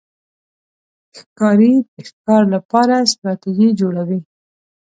ښکاري د ښکار لپاره ستراتېژي جوړوي.